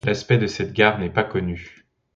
L'aspect de cette gare n'est pas connu.